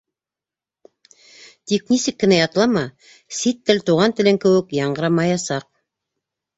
Тик нисек кенә ятлама, сит тел туған телең кеүек яңғырамаясаҡ.